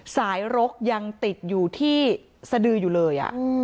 รกยังติดอยู่ที่สดืออยู่เลย